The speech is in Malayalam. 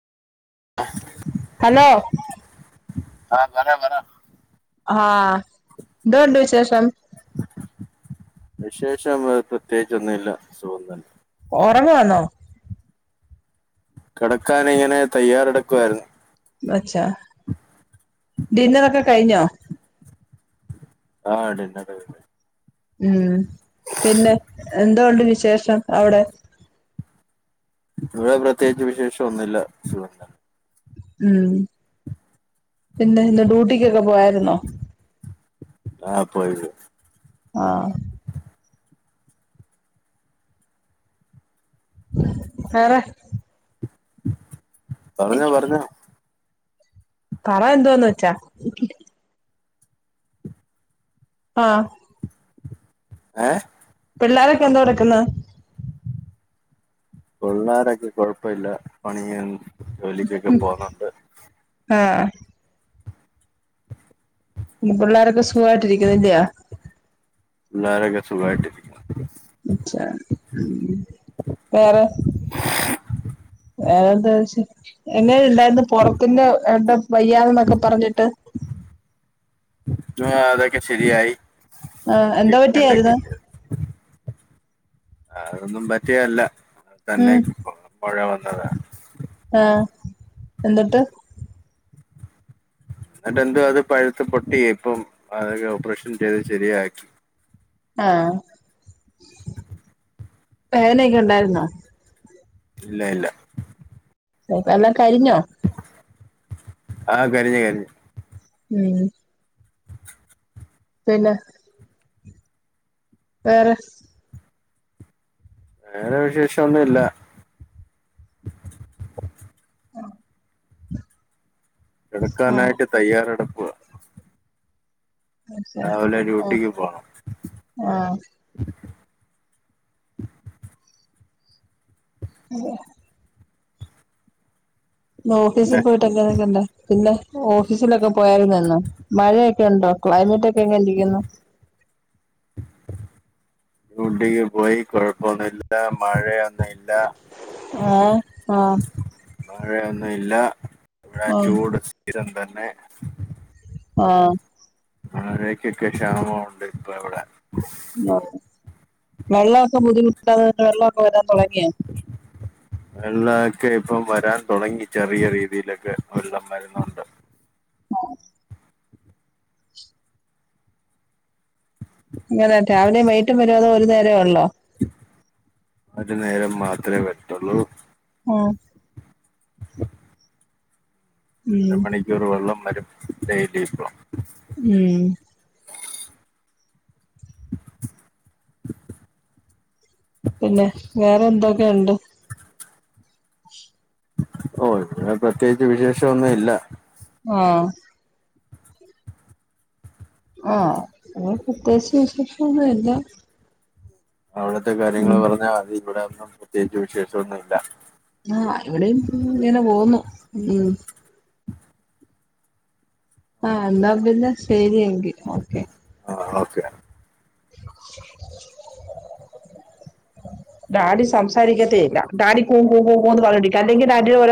ഹലോ ആഹ് പറ പറ ആഹ് എന്തോണ്ട് വിശേഷം വിശേഷം പ്രത്യേകിച്ചൊന്നുംല്ല സുഖം തന്നെ ഒറങ്ങുവാന്നോ കെടക്കാനിങ്ങനെ തയ്യാറെടുക്കുായിരുന്നു അച്ചാ ഡിന്നറൊക്കെ കഴിഞ്ഞോ ആഹ് ഡിന്നറൊക്കെ കഴിഞ്ഞു ഉം പിന്നെ എന്തൊണ്ട് വിശേഷം അവിടെ ഇവിടെ പ്രത്യേകിച്ച് വിശേഷം ഒന്നൂല്ല സുഖം തന്ന ഉം പിന്നെ ഇന്ന് ഡ്യൂട്ടിക്ക്ക്കെ പോയായിരുന്നോ? ആ പോയിരുന്നു ആഹ് വേറെ പറഞ്ഞോ പറഞ്ഞോ പറ എന്തുവാന്ന് ച്ചാ ആഹ് ഏഹ് പിള്ളാരൊക്ക എന്തോട്ക്ന്ന് പിള്ളോരൊക്കെ കൊഴപ്പല്ല പണിയും ജോലിക്കൊക്കെ പോകുന്നുണ്ട് ആഹ് പിള്ളോരൊക്കെ സുഖമായിട്ടിരിക്കുന്നില്ലിയോ പുള്ളാരൊക്കെ സുഖായിട്ട് വേറെ വേറെന്താവിശ്യം എങ്ങനെ ഇണ്ടായ്രുന്നു പൊർത്തിന്റെ എട വയ്യാന്നൊക്കെ പർഞ്ഞിട്ട് [unintelligible] അതൊക്കെ ശെരിയായി. ആഹ് എന്തോ പറ്റിയാര്ന്ന് അതൊന്നും പറ്റിയല്ല തന്നെ ഉം മൊഴ വന്നതാ. ആഹ് എന്ന്ട്ട് എന്നിട്ടെന്തുവാ അത് പഴുത്ത് പൊട്ടി ഇപ്പം അതൊക്കെ ഓപ്പറേഷൻ ചെയ്ത് ശരിയാക്കി ആഹ് വേദനൊക്കെ ഉണ്ടായിരുന്നോ ഇല്ല ഇല്ല. [unintelligible] കരിഞ്ഞോ ആഹ് കരിഞ്ഞ് കരിഞ്ഞ് ഉം പിന്നെ വേറെ വേറെ വിശേഷൊന്നുല്ല. ആഹ് കിടക്കാനായിട്ട് തയ്യാറെട് രാവിലെ ഡ്യൂട്ടിക്ക് പോണം. ആഹ് [unintelligible] ഇന്ന് ഓഫീസി പിന്നെ പോയി ട്ടൊക്കെ [unintelligible] പിന്നെ ഓഫീസിലൊക്കെ പോയാരുന്നോ ഇന്ന് മഴയൊക്കെ ഉണ്ടോ ക്ലൈമറ്റൊക്കെ എങ്ങനിരിക്കുന്നു? ഡ്യൂട്ടിക്ക് പോയി കൊഴപ്പൊന്നില്ല മഴയാ. ആഹ് ആഹ് [unintelligible] മഴയൊന്നുല്ല. ഇവടെ ആഹ് ചൂട് സ്ഥിരം തന്നെ. ആഹ് മഴേക്കൊക്കെ ക്ഷാമൊണ്ട് ഇപ്പൊ ഇവടെ ആഹ് വെള്ളമൊക്കെ ബുദ്ധിമുട്ടാന്ന് പർഞ്ഞിട്ട് വെള്ളൊക്കെ വരാൻ തൊടങ്ങിയോ? വെള്ളൊക്കെ ഇപ്പൊ വരാൻ തൊടങ്ങി ചെറിയ രീതിയിലൊക്കെ വെള്ളം വരുന്നുണ്ട്. ആഹ് ഇങ്ങനെ രാവിലെ വൈകിട്ടും വരോ അതോ ഒരു നേരേ ഒള്ളോ ഒരു നേരം മാത്രേ വര്ത്തുള്ളൂ. ആഹ് അര ഉം മണിക്കൂർ വെള്ളം വരും ഡെയിലി [unintelligible] ഉം പിന്നെ വേറൊന്തൊക്കെയുണ്ട്? ഓഹ് ഇവടെ പ്രത്യേകിച്ച് വിശേഷൊന്നും ഇല്ല. ആഹ് ആഹ് ഇവിടെ പ്രത്യകിച്ച് വിശേഷൊന്നുല്ല. അവിടുത്തെ കാര്യങ്ങള് പറഞ്ഞാ മതി. ഇവിടെന്നും പ്രത്യേകിച്ച് വിശേഷൊന്നുല്ല ആഹ് ഇവിടെയും ഇങ്ങനെ പോവുന്നൂ ഉം ആഹ് എന്നാ പിന്നെ ശരിയെങ്കി ഓക്കെ ആഹ് ഓക്കെ [inaudible] ഡാഡി സംസാരിക്കേത്തെ ഇല്ല ഡാഡി കൂ കൂന്ന് പർഞ്ഞോണ്ടിരിക്കാ അല്ലെങ്കി ഡാഡിയുടെ